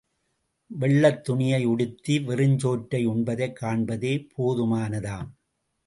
வெள்ளைத்துணியை உடுத்தி, வெறுஞ்சோற்றை உண்பதைக் காண்பதே போதுமானதாம்.